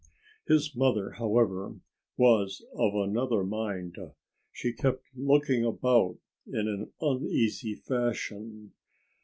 His mother, however, was of another mind. She kept looking about in an uneasy fashion.